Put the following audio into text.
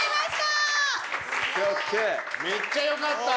めっちゃ良かった。